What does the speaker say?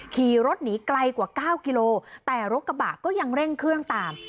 ขี่รถหนีไกลกว่า๙กิโลแต่รถกระบะก็ยังเร่งเครื่องตาม